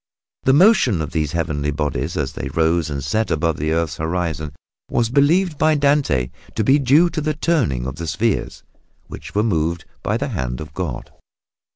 The motion of these heavenly bodies as they rose and set above the earth's horizon was believed by Dante to be due to the turning of the spheres, which were moved by the hand of God.